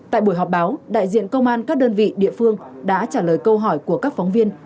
tại buổi họp báo đại diện công an các đơn vị địa phương đã trả lời câu hỏi của các phóng viên